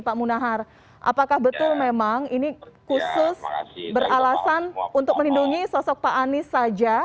pak munahar apakah betul memang ini khusus beralasan untuk melindungi sosok pak anies saja